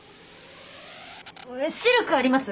シルクあります？